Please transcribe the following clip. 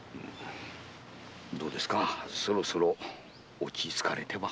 どうですかそろそろ落ち着かれては？